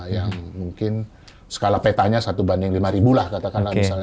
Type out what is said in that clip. yang mungkin skala petanya satu banding lima lah katakanlah misalnya